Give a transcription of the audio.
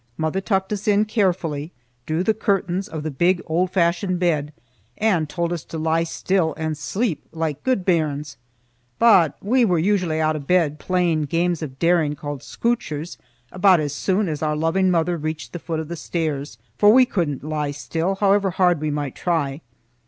Mother tucked us in carefully, drew the curtains of the big old fashioned bed, and told us to lie still and sleep like gude bairns; but we were usually out of bed, playing games of daring called "scootchers," about as soon as our loving mother reached the foot of the stairs, for we couldn't lie still, however hard we might try.